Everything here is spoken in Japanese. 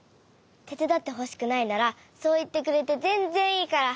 てつだってほしくないならそういってくれてぜんぜんいいから。